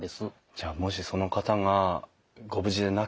じゃあもしその方がご無事でなければ。